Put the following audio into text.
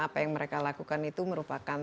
apa yang mereka lakukan itu merupakan